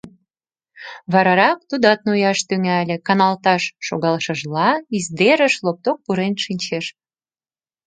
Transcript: Варарак тудат нояш тӱҥале, каналташ шогалшыжла, издерыш лопток пурен шинчеш.